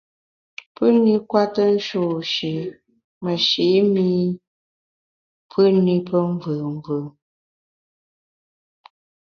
Pù-ni kwete nshôsh-i meshi’ mi pù ni pe mvùù mvù.